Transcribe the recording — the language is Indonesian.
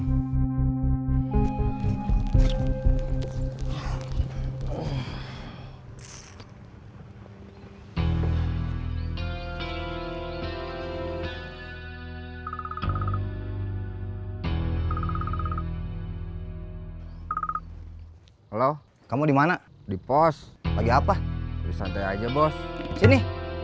halo kamu dimana di pos lagi apa santai aja bos sini